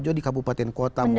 juga di kabupaten kota provinsi